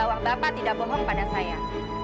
saya percaya bahwa bapak tidak bohong pada saya